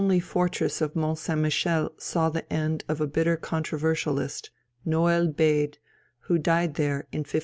] The lonely fortress of Mont Saint Michel saw the end of a bitter controversialist, Noël Bède, who died there in 1587.